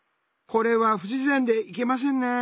これは不自然でいけませんね。